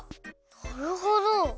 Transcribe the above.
なるほど。